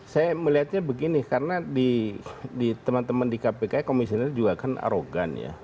saya melihatnya begini karena di teman teman di kpk komisioner juga kan arogan ya